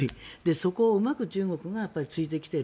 そこをうまく中国が突いてきている。